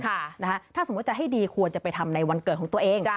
ถ้าสมมุติจะให้ดีควรจะไปทำในวันเกิดของตัวเอง